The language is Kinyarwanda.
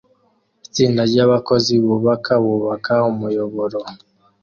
Itsinda ryabakozi bubaka bubaka umuyoboro